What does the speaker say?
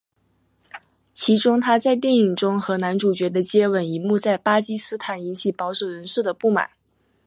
其中她在电影中和男主角的接吻一幕在巴基斯坦引起保守人士的不满。